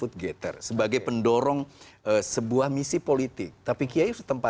tetap bersama kami